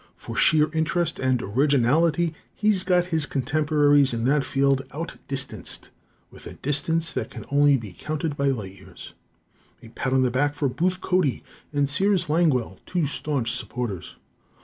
For sheer interest and originality, he's got his contemporaries in that field outdistanced with a distance that can only be counted by light years. A pat on the back for Booth Cody and Sears Langwell, two staunch supporters.